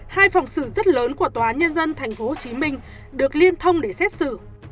hai phòng xử rất lớn của tòa án nhân dân tp hcm được liên thông để xét xử